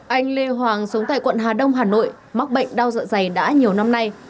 anh lê hoàng sống tại quận hà đông hà nội mắc bệnh đau dạ dày đã nhiều năm nay